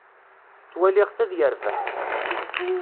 Ttwaliɣ-t ad yerbeḥ.